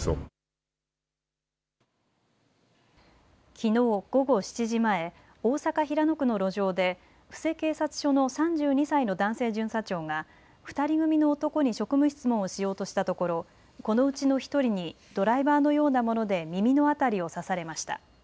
きのう午後７時前大阪・平野区の路上で布施警察署の３２歳の男性巡査長が２人組の男に職務質問をしようとしたところこのうちの１人にドライバーのようなもので耳の辺りを刺されました。